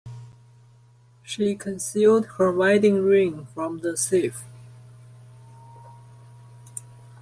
She concealed her wedding ring from the thief.